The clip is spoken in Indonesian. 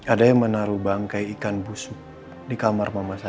ada yang menaruh bangkai ikan busuk di kamar mama saya